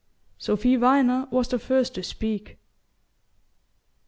Sophy Viner was the first to speak.